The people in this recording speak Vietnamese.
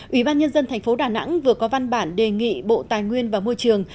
ủy ban nhân dân thành phố đà nẵng vừa có văn bản đề nghị bộ tài nguyên và môi trường